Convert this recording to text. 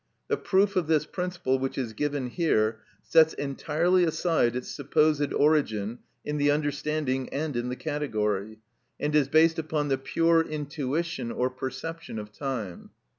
The proof of this principle, which is given here, sets entirely aside its supposed origin in the understanding and in the category, and is based upon the pure intuition or perception of time.